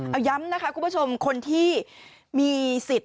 เอาย้ำนะคะคุณผู้ชมคนที่มีสิทธิ์